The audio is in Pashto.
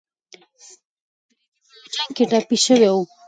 رېدی په یو جنګ کې ټپي شوی و.